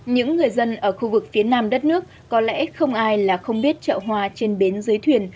những người dân ở khu vực phía nam đất nước có lẽ không ai là không biết chợ hoa trên bến dưới thuyền